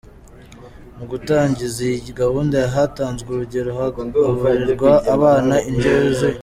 Mu gutangiza iyi gahunda, hatanzwe urugero hagaburirwa abana indyo yuzuye.